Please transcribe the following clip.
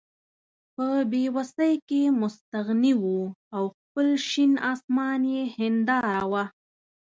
په بې وسۍ کې مستغني وو او خپل شین اسمان یې هېنداره وه.